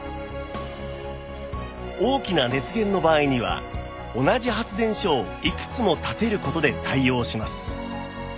大きな熱源の場合には同じ発電所をいくつも建てる事で対応します